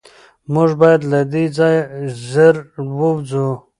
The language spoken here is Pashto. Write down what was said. موږ باید له دې ځایه زر ووځو.